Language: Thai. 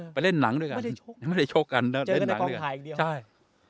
ไปเล่นหนังด้วยกันไม่ได้โชคกันเจอกันในฟองถ่ายอีกเดียว